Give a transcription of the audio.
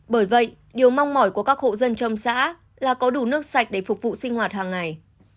bởi vậy điều mong mỏi của các hộ dân trong xã là có đủ nước sạch để phục vụ sinh hoạt hàng ngày